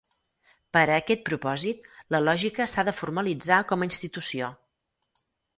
Per a aquest propòsit, la lògica s'ha de formalitzar com a institució.